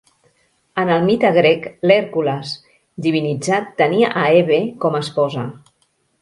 En el mite grec, l'Hèrcules divinitzat tenia a Hebe com a esposa.